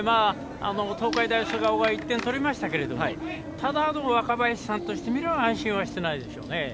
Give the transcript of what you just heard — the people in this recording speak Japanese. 東海大菅生は１点取りましたけどもただ、若林さんとしてみれば安心はしてないでしょうね。